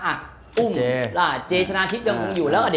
อ่ะอุ้มเจชนะคลิปยังคงอยู่แล้ว